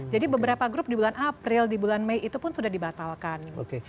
beberapa grup di bulan april di bulan mei itu pun sudah dibatalkan